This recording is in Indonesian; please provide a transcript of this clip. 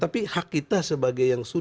tapi hak kita sebagai yang sudah